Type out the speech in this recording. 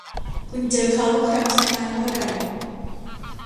คุณเจอเค้าครั้งสุดท้ายเมื่อไหร่